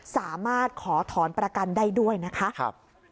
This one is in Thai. สามารถขอถอนประกันได้ด้วยนะคะ